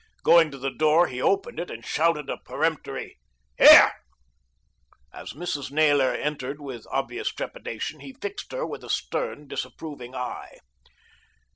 Going to the door he opened it and shouted a peremptory "Here!" As Mrs. Naylor entered with obvious trepidation, he fixed her with a stern disapproving eye.